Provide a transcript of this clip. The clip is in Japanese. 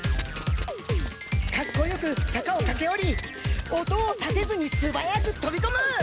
かっこよく坂をかけ下り音を立てずにすばやくとびこむ！